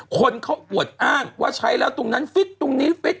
คนเขาอวดอ้างว่าใช้แล้วตรงนั้นฟิตตรงนี้ฟิต